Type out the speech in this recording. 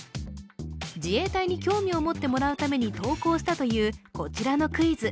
自衛隊に興味を持ってもらうために投稿したというこちらのクイズ。